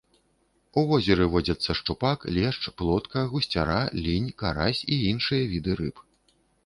У возеры водзяцца шчупак, лешч, плотка, гусцяра, лінь, карась і іншыя віды рыб.